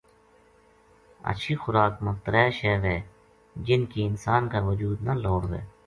ہچھی خوراک ما ترے شے وھے جن کی انسان کا وجود نا لوڑ وھے